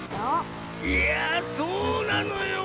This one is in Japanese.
いやあそうなのよ。